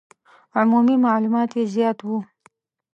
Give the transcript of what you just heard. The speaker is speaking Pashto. عمومي معلومات یې زیات وو.